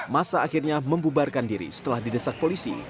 masa akhirnya membubarkan diri setelah didesak polisi